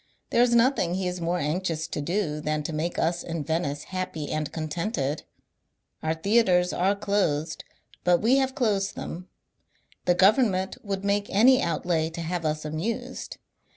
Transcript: There is nothing he is more anxious to do than to make us in Venice happy and contented. Our theatres are closed, but we have closed them ; the government would make any out lay to have us amused.